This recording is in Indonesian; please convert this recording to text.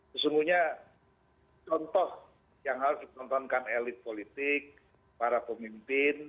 sesungguhnya contoh yang harus ditontonkan elit politik para pemimpin